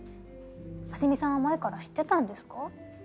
多治見さんは前から知ってたんですか？